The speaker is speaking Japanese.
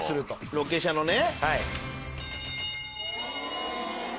ロケ車のね。